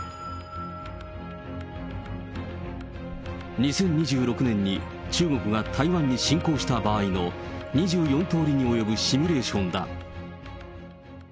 ２０２６年に中国が台湾に侵攻した場合の、２４通りに及ぶシミュレーションだ。